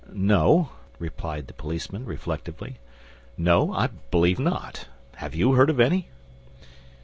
"No," replied the policeman, reflectively. "No, I believe not. Have you heard of any?"